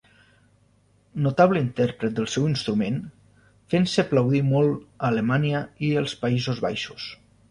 Notable intèrpret del seu instrument, fent-se aplaudir molt a Alemanya i els Països Baixos.